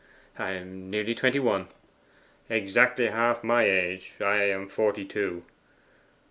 I am nearly twenty one.' 'Exactly half my age; I am forty two.